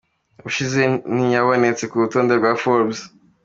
Ubushize ntiyabonetse ku rutonde rwa Forbes.